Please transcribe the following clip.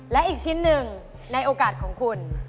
และอีกชิ้นหนึ่งในโอกาสของคุณ